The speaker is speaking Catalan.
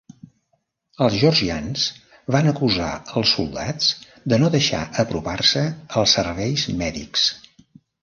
Els georgians van acusar els soldats de no deixar apropar-se els serveis mèdics.